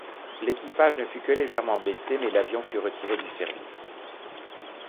L'équipage ne fut que légèrement blessé mais l'avion fut retiré du service.